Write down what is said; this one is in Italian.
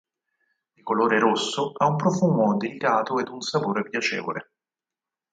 Di colore rosso, ha un profumo delicato e un sapore piacevole.